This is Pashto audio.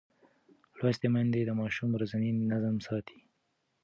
لوستې میندې د ماشوم ورځنی نظم ساتي.